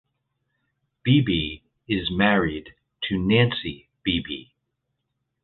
Beebe is married to Nancy Beebe.